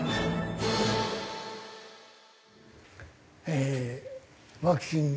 ええーワクチン。